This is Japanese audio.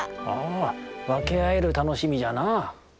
ああわけあえるたのしみじゃな。